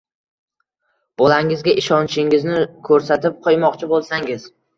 bolangizga ishonishingizni ko‘rsatib qo‘ymoqchi bo‘lsangiz